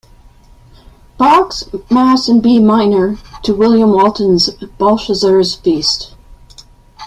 Bach's Mass in B Minor to William Walton's Belshazzar's Feast.